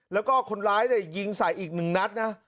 แล้วก็คนร้ายได้ยิงใส่อีก๑นัดนะ